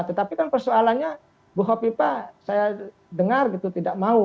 tetapi kan persoalannya bu hopipa saya dengar gitu tidak mau